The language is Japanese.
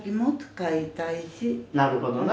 なるほどな。